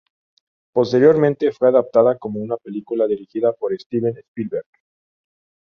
Posteriormente fue adaptada como una película dirigida por Steven Spielberg.